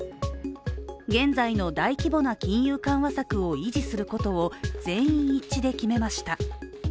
現在の大規模な金融緩和策を維持することを全員一致で決めました。